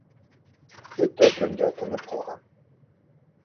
Бөтә донъя тынып ҡалған.